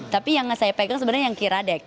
tapi yang saya pegang sebenarnya yang kiradek